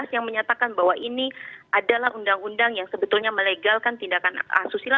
yang menyatakan bahwa ini adalah undang undang yang sebetulnya melegalkan tindakan asusila